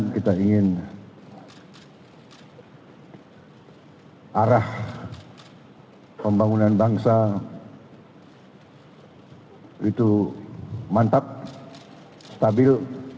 kita ingin arah pembangunan bangsa itu mantap stabil